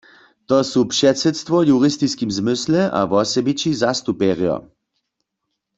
To su předsydstwo w juristiskim zmysle a wosebići zastupjerjo.